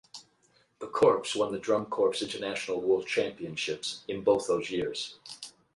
The corps won the Drum Corps International World Championships in both those years.